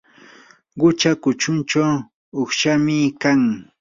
qucha kuchunchaw uqshami kan.